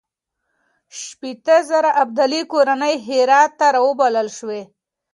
شپېته زره ابدالي کورنۍ هرات ته راوبلل شوې.